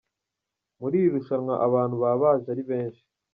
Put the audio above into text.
Muri iri rushanwa abantu baba baje ari benshi.